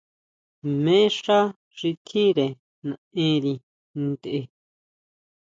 Jmé xá xi tjínre naʼenri ntʼe.